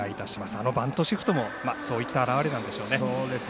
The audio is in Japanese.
あのバントシフトもそういった表れでしょうね。